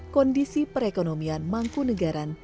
kondisi perekonomian mangku negara tersebut terjadi